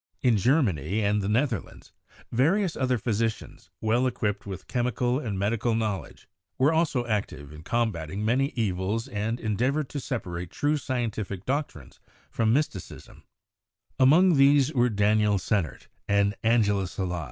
In Germany and the Netherlands, various other physi cians, well equipped with chemical and medical knowl edge, were also active in combating many evils and en deavored to separate true scientific doctrines from mys ticism ; among these were Daniel Sennert and Angelo Sala.